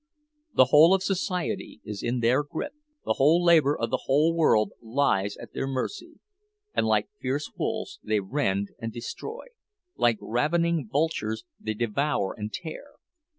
The whole of society is in their grip, the whole labor of the world lies at their mercy—and like fierce wolves they rend and destroy, like ravening vultures they devour and tear!